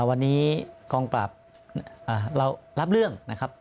วันนี้กองปราบเรารับเรื่องนะครับ